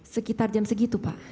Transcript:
sekitar jam segitu pak